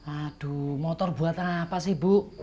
aduh motor buatan apa sih bu